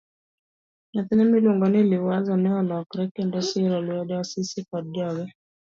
Nyathine miluongo ni Liwazo ne olokre kendo siro lwedo Asisi koda joge.